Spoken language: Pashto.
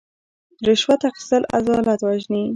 رشوت اخیستل عدالت وژني.